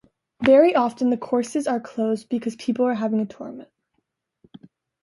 Very often the courses are closed because people are having a tournament.